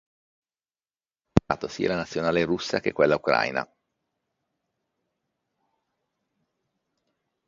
Ha rappresentato sia la Nazionale russa che quella ucraina.